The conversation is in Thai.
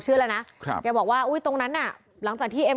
เหมือนเด็กกินขนม